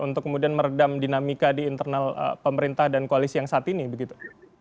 untuk kemudian meredam dinamika di internal pemerintah dan koalisi yang saat ini begitu